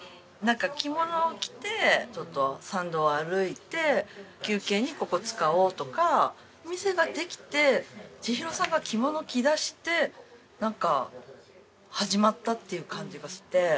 着物を着てちょっと参道を歩いて休憩にここを使おうとかお店ができて千尋さんが着物を着だしてなんか始まったっていう感じがして。